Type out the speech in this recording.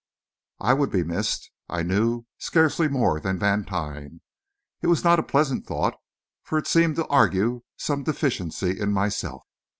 I would be missed, I knew, scarcely more than Vantine. It was not a pleasant thought, for it seemed to argue some deficiency in myself.